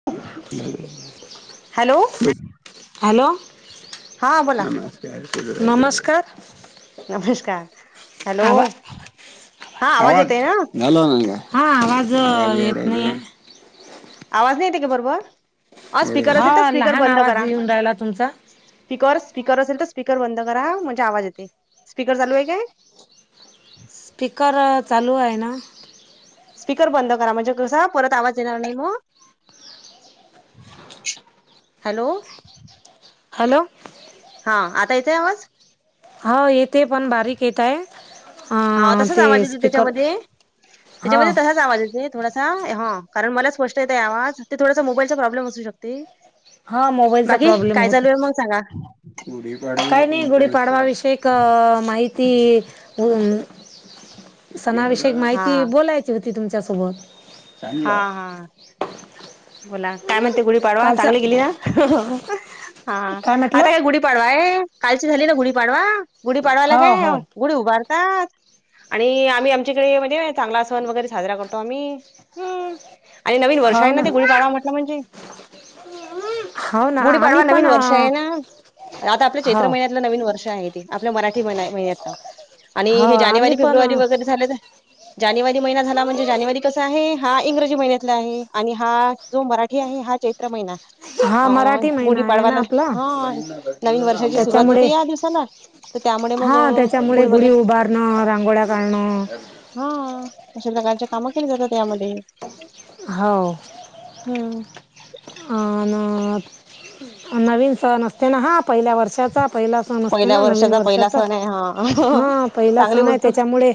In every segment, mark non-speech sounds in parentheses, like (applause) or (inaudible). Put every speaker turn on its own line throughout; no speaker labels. (inaudible)
Hello,
hello,
हा बोला
नमस्कार.
नमस्कार हॅलो,
आवा
हा आवाज येतेय न.
हॅलो म्हणल्या, हा आवाज येत नाहीये.
आवाज नाही येते का बरोबर. अ स्पीकर असेल तर,
हा
स्पीकर
लहान
बंद
आवाज
करा.
येऊन राहिला तुमचा
स्पीकर स्पीकर असेल त स्पीकर बंद करा म्हणजे आवाज येते. स्पीकर चालू आहे काय?
पीकर चालू आहे ना,
स्पीकर बंद करा म्हणजे घसा परत आवाज येणार नाही मग. हॅलो,
हॅलो,
हा, आता येतय आवाज?
हा येते पण बारीक येताये. आ
हा तसाच
ते
आवाज येते
स्पीकर
त्याच्यामध्ये
हां,
त्याच्यामध्ये आवाज येते. थोडासा ह कारण मला स्पष्ट येताय आवाज. ते थोडासा मोबाईलचा प्रॉब्लेम असू शकते?
ह मोबाईलचा
बाकी
प्रॉब्लेम
काय
होता.
चालू आहे मग सांगा
काही नाही गुढीपाडवाविषयीक माहिती सणाविषयक
हा
माहिती बोलायची होती तुमच्यासोबत.
हा हा, बोला काय म्हणते गुढीपाडवा
कालचा
चांगली गेली ना, हो हा आता काय गुढी पाडवाये कालची झाली ना गुढी पाडवा. गुढी पाडवाला
हो
काय
हो
गुढी उभारतात आणि आम्ही आमच्याकडे म्हणजे चांगला सण वगैरे साजरा करतो आम्ही. हम्, आणि नवीन वर्ष
हो
आहे
ना
न ते गुढीपाडवा म्हटलं म्हणजे.
हो ना आम्ही
गुढीपाडवा
पण
नवीन वर्ष आहे न, आता आपल्या चैत्र
हो
महिन्यात म्हटलं नवीन वर्ष आहे ते. आपल्या मराठी महिना महीन्यातल आणि
हो
हे
आम्ही
जानेवारी
पण
फेब्रुवारी वगैरे झाले जानेवारी महिना झाला म्हणजे जानेवारी कसा आहे? हा इंग्रजी महिन्यातला आहे आणि हा जो मराठी आहे हा चैत्र महिना
हा
अ
मराठी महिना आहे ना
गुढीपाडवाला
आपला
हा नवीन वर्षाची सुरुवात
त्याच्यामुळे
होते या दिवसाला त त्यामुळे मग गुडी वगैरे
न रांगोळ्या काढनं
हा अशा प्रकारच्या कामं केली जातात यामध्ये.
हाव.
हम्म,
अ न नवीन सण असते ना हा पहिल्या वर्षाचा पहिला सण असते
पहिल्या
ना नवीन
पहिला
वर्षाचा.
सण आहे
हा पहिला
चांगली
सण आहे
उत्सुक
त्याच्यामुळे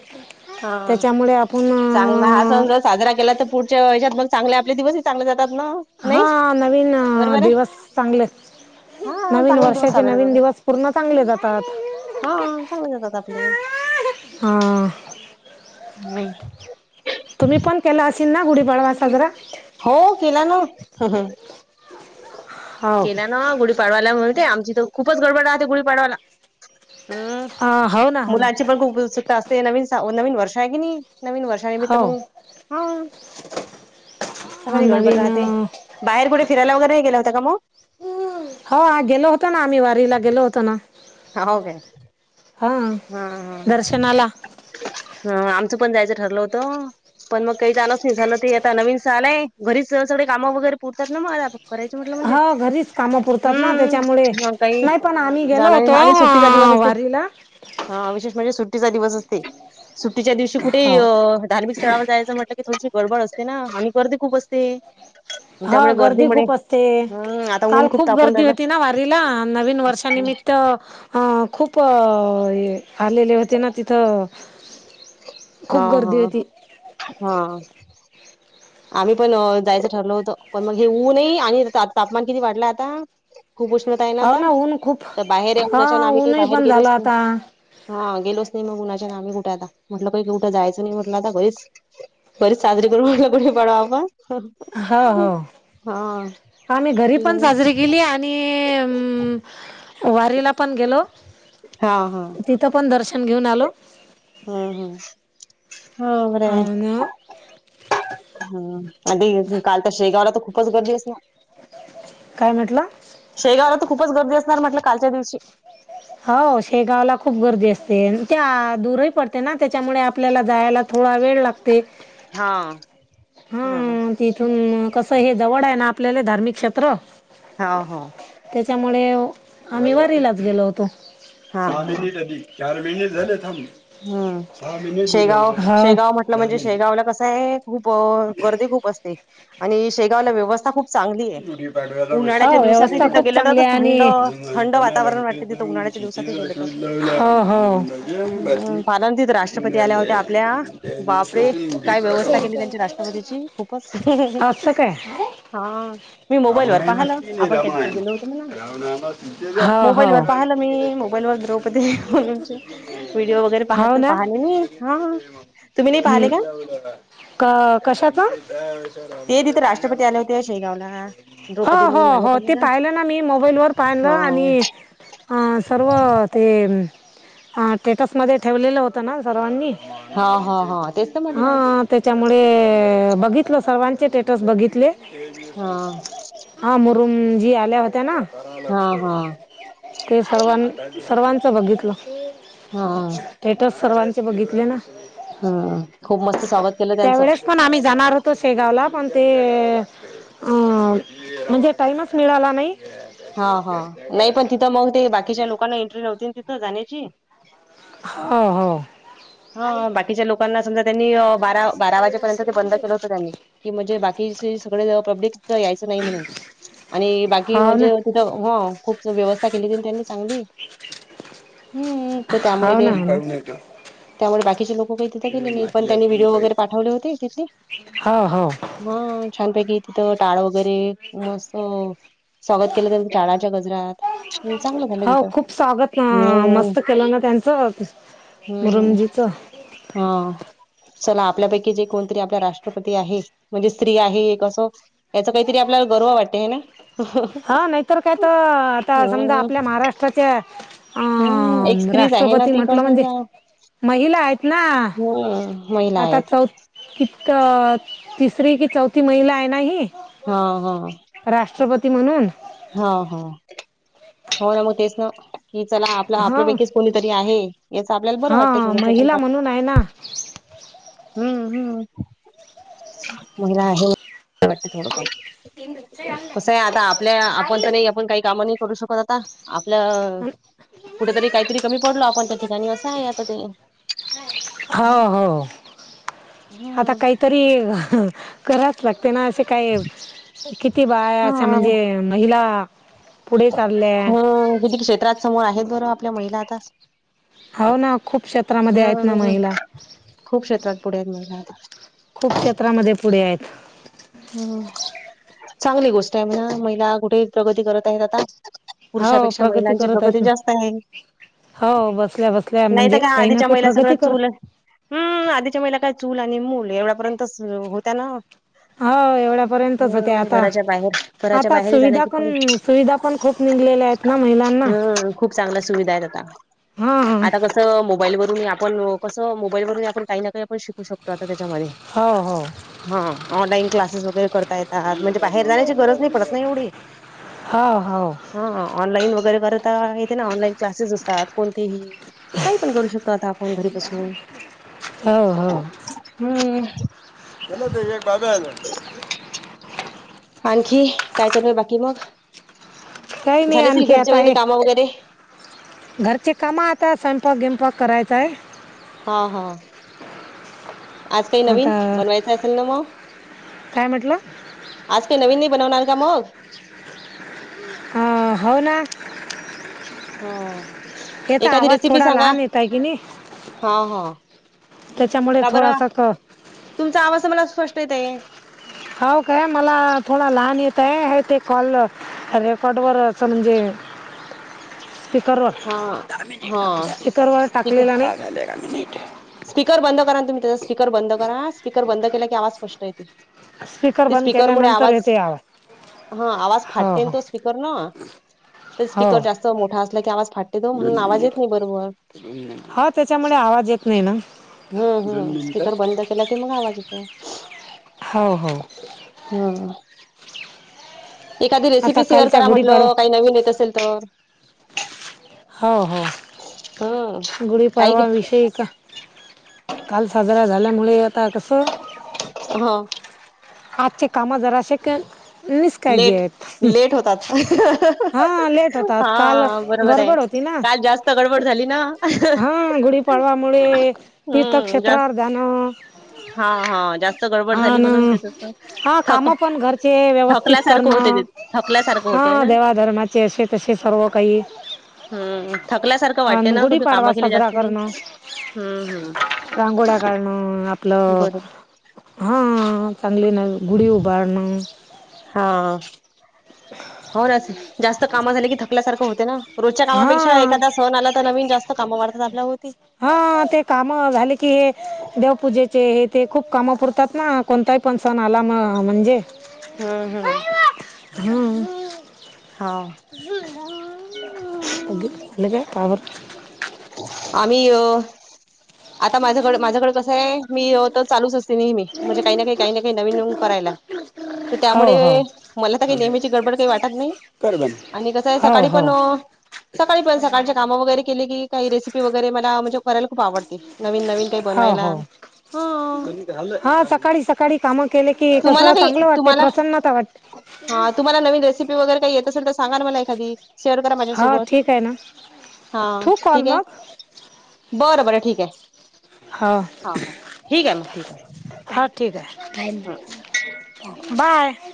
हा
त्याच्यामुळे आपुण
चांगला हा सण जर साजरा केला त पुढच्या याच्यात पण चांगले आपले दिवसही चांगले जातात न.
हा नवीन अ दिवस चांगल
हा
नवीन
चांगले दिवस
वर्षाचे
साजरे
नवीन दिवस पूर्ण चांगले जातात.
हो चांगले जातात आपले.
हा,
हम,
तुम्ही पण केला असेल ना गुढीपाडवा साजरा.
हो केला ना, ह ह
हो
केला ना गुढीपाडवायला माहितेय आमची तर खूपच गडबड राहते गुढीपाडवायला. हम्म
अ हो ना हो ना
मुलांची पण खूप उत्सुकता असते नवीन नवीन वर्ष आहे कि नाही. नवीन वर्षा निमित्त
हो
मग सकाळी गडबड
नवीन
राहते. बाहेर कुठे फिरायला वैगरे गेल्या होत्या का मग.
हो गेलो होत ना आम्ही वारीला गेलो होतो ना,
हाव काय
हा
हा हा
दर्शनाला,
ह आमचं पण जायचं ठरलं होतं. पण मग काही जाणच नाही झालं ते आता नवीन स आलय घरीच स सगळे कामं वगैरे पुरतात ना मला आता. करायच म्हटलं म्हणजे
हो घरीच कामं पुरतात ना त्याच्यामुळे
हम्म म काही
नाही
जाणा नाही आणि सुट्टीचा दिवस असे.
बैला (unintelligible)
हा विशेष म्हणजे सुट्टीचा दिवस असते. सुट्टीच्या दिवशी कुठेही
हो
अ धार्मिक स्थळावर जायचं म्हटलं की थोडीशी, गडबड असते ना आणि गर्दी खूप असते.
हा
त्यामुळे
गर्दी
गर्दीमुळे
खूप असते,
हम्म आता
काल
ऊन
खूप
तापून
गर्दी
राहिलं
होती ना वारीला नवीन वर्षाानिमित्त तर अ खूप अ आलेले होते ना तिथं
हा
खूप
हा
गर्दी होती
हा आम्ही पण अ जायचं ठरलो होतं पण मग हे ऊन ई आणि तापमान किती वाढलाय आता. खूप उष्णता आहे ना
हो
आता,
ऊन खूप
तर बाहेर या
हा
उन्हाच्या ना आम्ही काही
ऊनही
बाहेर
पण झालं
गेलोच नाही.
आता
हा गेलोच नाही मग उन्हाच्या नाम कुठे आता म्हटलं का क कुठं जायचं नाही म्हटलं आता घरीच घरी साजरी करू म्हटलं गुढीपाडवा. पाडवा आपण हा
हो हो
हा (inaudible)
नी अम वारीला पण गेलो.
हा हा
तिथ पण दर्शन घेऊन आलो.
हम्म हम्म, हम्म बरे!
अन
हम आदी काल तर शेगावला तर खूपच गर्दी असेल.
काय म्हटलां.
शेगावला तर खूपच गर्दी असणार म्हटलं कालच्या दिवशी.
हो शेगावला खूप गर्दी असते त्या दूरही पडते ना त्याच्यामुळे आपल्याला जायला थोडा वेळ लागते.
हा हम्म.
हा तिथून कसं हे जवळ आहे ना आपल्याले धार्मिक क्षेत्र.
हा हा
त्याच्यामुळे आम्ही वारीलाच गेलो होतो.
हा हो
चार महिने झाले थांब.
हम्म शेगाव शेगाव म्हटलं म्हणजे शेगावला कसं आहे खूप गर्दी खूप असते आणि शेगावला व्यवस्था खूप चांगली आहे. उन्हाळ्याच्या
हो
दिवसातही
व्यवस्था
तिथं
खूप
गेलं ना
चांगली
तर थंड
आणि
थंड वातावरण वाटते तिथं उन्हाळ्याच्या
हा हा
हम पाल तिथ राष्ट्रपती आल्या होत्या आपल्या बापरे काय व्यवस्था केली त्यांच्या राष्ट्रपतीची खूपच
असं काय
हा! मी मोबाईलवर पाहिलं आपण त्यान गेलो होत मला
हो हो
मोबाईलवर पाहिलं मी मोबाईलवर द्रौपदी मुरमुनचे व्हिडिओ वगैरे पाहत
हो ना
पाहाले मी हा तुम्ही नाही पाहिले का?
का कशाचा?
ते तिथे राष्ट्रपती आले होते शेगावला
हो
द्रौपदी
हो
मुर्मू आल्या
हो ते
होत्या
पाहिलं ना मी मोबाईल वर पाहिलं आणि
हा.
अ सर्व ते स्टेटसमध्ये ठेवलेलं होतं ना सर्वांनी
हा हा हा तेच तर
हा
म्हटलं
त्याच्यामुळे बघितलं सर्वांचे स्टेटस बघितले.
हा
हा मुरुमजी आल्या होत्या ना
हा हा
ते सर्वां सर्वांच बघितलं.
हा
स्टेटस सर्वांचे बघितले ना.
हम खूप मस्त स्वागत केलं त्यांचं.
त्यावेळेस पण आम्ही जाणार तो शेगावला पण ते म्हणजे टाईमच मिळाला नाही.
हा हा नाही पण तिथं मग ते बाकीच्या लोकांना एंट्री नव्हती तिथं जाण्याची.
हा हो
हा बाकीच्या लोकांना समजा त्यांनी बारा बारा वाजेपर्यंत ते बंद केलं होतं त्यांनी कि म्हणजे बाकीचे सगळे पब्लिक यायचं नाही म्हणून आणि बाकी
हो ना
म्हणजे तिथ हो खूप व्यवस्था केली होत त्यांनी चांगली हम्म तर
हो
त्यामुळे ते
ना
त्यामुळे बाकीचे लोक काही तिथं गेले नाही पण त्यांनी व्हिडिओ वगैरे पाठवले होते तिथले
हो हो
हा छानपैकी तिथं टाळ वगैरे मस्त स्वागत केलं तर त्यांनी टाळा च्या गजरात हा चांगलं झालं
हो
तिथं
खूप स्वागत ना
हम्म
मस्त केलं ना त्यांचं
हम्म
मुरुमजीचं
हा चला आपल्यापैकी जे कोणतरी आपल्या राष्ट्रपती आहे म्हणजे स्त्री आहे एक असं याचा काहीतरी आपल्याला गर्व वाटते आहे ना.
हा नाहीतर काय तर आता समजा
हम्म
आपल्या महाराष्ट्राच्या अ
हम्म एक स्त्रीच आहे ना
राष्ट्रपती
ती पण
म्हटलं म्हणजे
समजा
महिला आहेत ना.
हम्म माहिला
आता चौ कितक तिसरी कि चौथी महिला आहे ना हि
हा हा
राष्ट्रपती म्हणून
हा हा हो ना मग तेच ना की चला आपला
हा
आपल्यापैकीच कोणीतरी आहे याचं आपल्याला बरं वाटतं
हा
थोडं
महिला
पण
म्हणून आहे ना
हम्म हम्म महिला आहे बरं वाटते थोडंफार कसं आहे आता आपल्या आपण तर नाही आपण काही काम नाही करू शकत आता. आपलं कुठेतरी काहीतरी कमी पडलो आपण त्या ठिकाणी असं आहे आता ते
हो हो आता
हम्म
काही तरी कराच लागते ना असे काय? किती बाया
हा
असं म्हणजे महिला पुढे चालल्या
मग विविध क्षेत्रात समोर आहेत बरं आपल्या महिला आता.
हाव ना खूप क्षेत्रामध्ये आहेत ना
हम्म
महिला.
खूप क्षेत्रात पुढे आहेत महिला आता.
खूप क्षेत्रामध्ये पुढे आहेत.
हम् चांगली गोष्ट आहे म्हणा महिला कुठे प्रगती करत आहेत. आता
हो
पुरुषापेक्षा
प्रगती
महिलांची
करत
प्रगती
आहेत ना
जास्त आहे.
हो बसल्या बसल्या
नाहीत
म्हणजे
काय
काही ना
आधीच्या
काही
महिला सगळं
प्रगती कर
चूल हम्म आधीच्या महिला काय चूल आणि मूल एवढ्यापर्यंतच होत्या ना.
होय एवढ्या पर्यंतच होत्या
हम्म
आता.
घराच्या बाहेर घराच्या
आता
बाहेर
सुविधा
जाण्याची पण
कोण सुविधा पण खूप निघलेल्या आहेत ना महिला-
हं खूप चांगल्या सुविधा आहेत आता.
हा
आता कस- क मोबाईल वरुन आपण कसं मोबाईल वरुन ही आपण काही ना काही आपण शिकू शकतो आता तेच्यामध्ये
हो हो...
हो ऑनलाईन क्लासेस वगैरे करता येतात म्हणजे बाहेर जाण्याची गरज नाही पडत ना एवढी.
हो हो...
हो ऑनलाईन वगैरे करता ते ना. ऑनलाईन क्लासेस असतात कोणतेही काही पण करू शकतो आता आपण घरीबसून.
हो हो..
हम्म..
केला ते ये (unintelligible) झालं.
आणखी काय चालुये बाकी मग??
काही नाही
झाले सगळी
आणखी आता
घरचे
हे
काम वगैर??
घरचे काम आता स्वयंपाक गियंपाक कराय
हा हा.. आज काय नवीन
आता
बनवायचं असेल ना मग??
काय म्हटलं
आज काय नवीन नाही बनवणार का मग??
हं हाव ना.
हा.
तेचा
एखादी
आवाज
रेसिपी
थोडा
सांगा.
लहान येताय की नाही.
हा हा.
त्याच्यामुळे
का बरं?
थोडासा क
तुमचा आवाज मला स्पष्ट येत आहे.
हाव काय मला थोडा लहान येत आहे. हे ते कॉल रेकॉर्ड वर असं म्हणजे
(inaudible)
स्पीकरवर,
हा. हा.
स्पीकरवर
स्पीकर
टाकलेला नाही.
स्पीकर बंद करा ना तुम्ही त्याचा स्पीकर बंद करा स्पीकर बंद केला की आवाज स्पष्ट येते.
स्पीकर बंद केल्यानंतर येते आवाज.
हां आवाज
हो
फाटते ना
हो
तो स्पीकरन तर
हो
स्पीकर जास्त- मोठा असला की आवाज फाटते ना म्हणून आवाज येत नाही बरोबर.
हाव त्याच्यामुळे आवाज येत नाही ना.
हम्म हम् स्पीकर बंद केला कि मग आवाज येतो.
हो हो
हम्म... एखादी
आता
रेसिपी शेअर
कालच्या
करा
गुढीपाडवा
म्हटलं काही नवीन येत असेल तर?
हो हो...
हम्म.. काही
गुढीपाडवाविषयी का काल साजरा झाल्यामुळे आता कसं
हां..
आजची कामे जराशि, क निसकाळजी
लेट
आहेत.
लेट होतात
लेट होतात काल
हा बरोबर आहे,
गडबड होती ना
काल जास्त गडबड झाली ना.
हा गुढीपाडवामुळे
हम्म जास्त
तीर्थक्षेत्रावर जाणं.
हा हा जास्त. गडबड
हा
झाली
ना
म्हणून ते तसं
हा
थक
काम पणघरची व्यवस्थित
थकल्यासारखं होते
करणं.
ते थकल्यासारखं होतय
हा
ना
देवाधर्माचे असे तसे सर्व काही.
हम्म थकल्यासारखं
आणि
वाटतेना का तू काम
गुढीपाडवा
केली
साजरा
जास्त की?.
करणं
हम्म हम्म...
ह्म आपलं
बरोबर
हा चांगली ना गुढी उभारणं.
हा हो जास्त काम झाले कि थकल्यासारखं होते ना. रोजच्या कामापेक्षा
हा
एखादा सण आला तर नवीन जास्त कामं वाढतात अपल्यावरती.
हा ते काम झाले की देवपूजेचे हे ते खूप कामं पुरतात ना. कोणताही फंकशन आला ना म्हणजे.
हम्म हम्म हो...
कधी फुटलं का पावलं.
आम्ही आता माझ्याकड माझ्याकडे कसं आहे मी चालूचं असते नेहमी म्हणजे काही ना काही काही ना काही नवीन करायला. तर
हो
त्यामुळे
हो
मला तर काही नेहमीची गडबड काही वाटत नाही. आणि कसं आहे
हो
सकाळी
हो
पण सकाळी पयंत सका ळची काम वगैरे केले कीकाही रेसिपीवगैरे मला म्हजे करायला खूप आवडते. नवीन नवीन काही
हो
बनवायला
हो
ह्..
हा सकाळी सकाळी रिकामी कामं. केले की
तुम्हाला
कसं
काही
चांगलं वाटते
तुम्हाला
प्रसन्नता वाटते
हा तुम्हाला नवीन रेसिपी वगैरे काही येत असेल तर सांगा मला एखादी? शेअर करा
हा
माझ्यासोबत
ठीक आहे ना
हा
ठेवू कॉल
ठिक आहे.
मग
बर बर ठीक आहे
हो
हा हा ठीक आहे मग ठीक आहे.
हा ठीक आहे बाय.